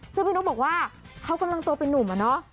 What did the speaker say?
ซึ่งพี่นุ๊กบอกว่าเขากำลังโตเป็นนุ่มอะเนาะ